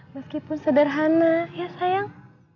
meskipun sederhana ya sayang